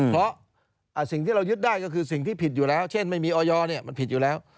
เพราะสิ่งที่เรายึดได้ก็คือสิ่งที่ผิดอยู่แล้วเช่นไม่มีออยมันผิดอยู่แล้ว